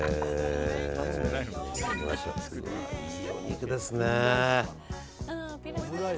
いいお肉ですね。